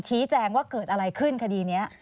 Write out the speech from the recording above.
ชี้แจงว่าเกิดอะไรขึ้นคดีนี้